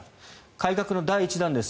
改革の第１弾です。